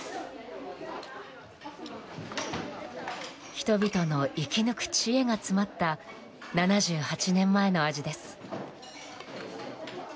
人々の生き抜く知恵が詰まった７８年前の味です。